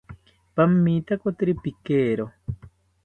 Pamitakoteri pikero